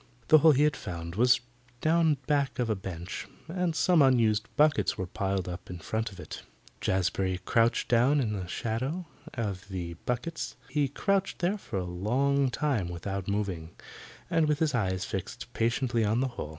The hole he had found was down back of a bench, and some unused buckets were piled up in front of it. Jazbury crouched down in the shadow of the buckets. He crouched there for a long time without moving, and with his eyes fixed patiently on the hole.